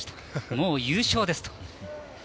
もう優勝ですと。